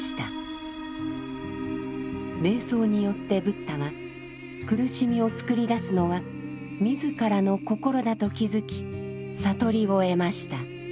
瞑想によってブッダは苦しみを作り出すのは自らの心だと気づき悟りを得ました。